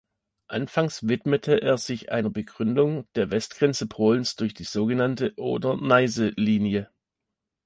Anfangs widmete er sich einer Begründung der Westgrenze Polens durch die sogenannte Oder-Neiße-Linie.